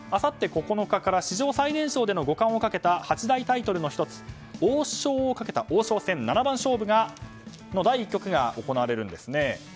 実はあさって９日から史上最年少の五冠をかけた八大タイトルの１つ王将をかけた王将戦七番勝負の第１局が行われるんですね。